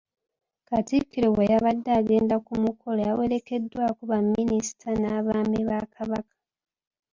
Katikkiro bwe yabadde agenda ku mukolo yawerekeddwako Baminisita n'Abaami ba Kabaka.